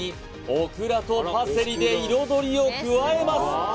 オクラとパセリで彩りを加えます